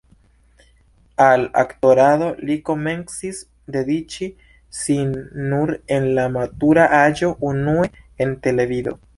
Al aktorado li komencis dediĉi sin nur en la matura aĝo, unue en televido.